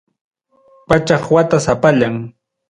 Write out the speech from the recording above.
Pachak wata sapallan.